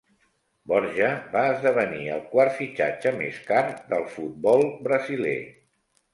Borja va esdevenir el quart fitxatge més car del futbol brasiler.